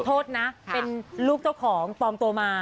โทษนะเป็นลูกเจ้าของปลอมตัวมา